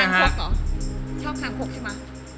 คังคกหรอชอบคังคกใช่ไหม